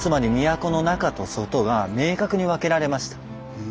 うん。